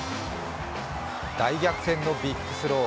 大逆転のビッグスロー。